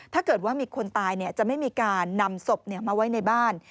ถ้าเกิดว่ามีคนตายจะไม่มีการนำศพมาไว้ในบ้าน